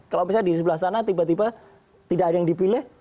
kalau misalnya di sebelah sana tiba tiba tidak ada yang dipilih